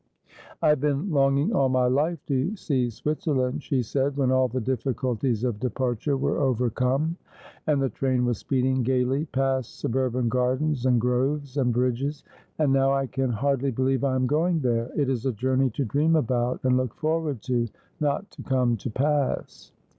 ' I have been longing all my life to see Switzerland,' she said, when all the difficulties of departure were overcome, and the train was speeding gaily past suburban gardens, and groves, and bridges, ' and now I can hardly believe I am going there. It is a journey to dream about and look forward to, not to come to pass.'